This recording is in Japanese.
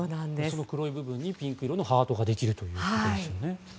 その黒い部分にピンク色のハートができるということなんですね。